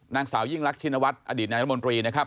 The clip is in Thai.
นางสาวยิ่งลักษณ์ชินวัฒน์อดีตนายรมนตรี